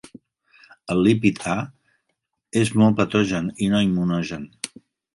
El lípid A és molt patogen i no immunogen.